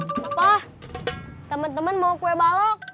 papa temen temen mau kue balok